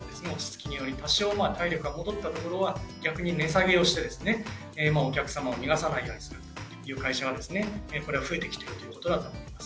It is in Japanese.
メーカーの中には、原材料費の落ち着きにより、多少、体力が戻ったところは逆に値下げをして、お客様を逃がさないようにするという会社は増えてきてるということだと思います。